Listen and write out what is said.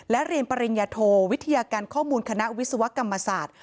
และเรียนปริญญาโทวิทยาการข้อมูลคณะวิศวกรรมศาสตร์